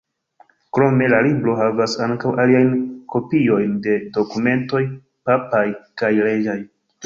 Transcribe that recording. Krome la libro havas ankaŭ aliajn kopiojn de dokumentoj papaj kaj reĝaj.